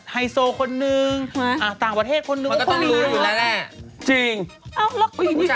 ไฮโซคนนึงใช่มั้ย